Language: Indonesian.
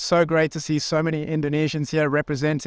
dan sangat bagus melihat banyak orang indonesia di sini